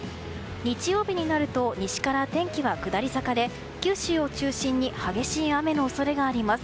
日曜日になると西から天気は下り坂で九州を中心に激しい雨の恐れがあります。